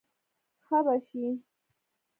ښه به شې.